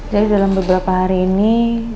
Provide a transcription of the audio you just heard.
jadi dalam beberapa hari ini